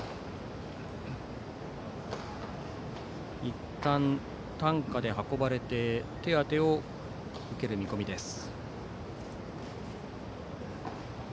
いったん担架で運ばれて手当てを受ける見込みです。